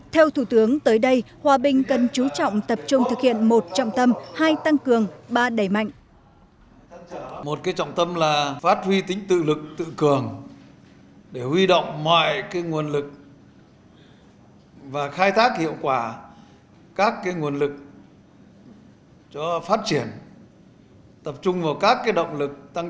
theo thủ tướng tới đây hòa bình cần chú trọng tập trung thực hiện một trọng tâm